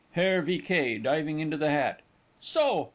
HERR V. K. (diving into the hat). So?